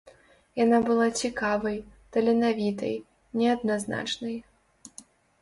Яна была цікавай, таленавітай, неадназначнай.